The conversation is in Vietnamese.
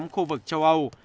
khu vực châu âu